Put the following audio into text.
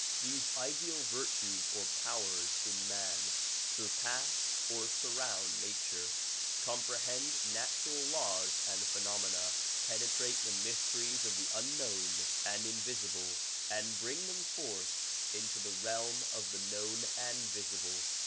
These ideal virtues or powers in man surpass or surround nature, comprehend natural laws and phenomena, penetrate the mysteries of the unknown ;ind invisible and bring them forth into the realm 78 THE PKOMULGATION OF UNIVERSAL PEACE of the known and visible.